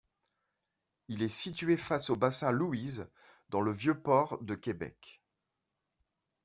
Il est situé face au bassin Louise, dans le Vieux-Port de Québec.